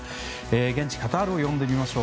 現地カタールを呼んでみましょう。